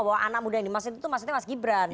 bahwa anak muda yang dimaksud itu maksudnya mas gibran